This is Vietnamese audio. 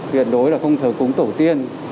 tuyển đối là không thờ cúng tổ tiên